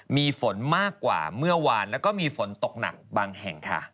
มีฝนมากกว่าเมื่อวานแล้วก็มีฝนตกหนักบางแห่งค่ะ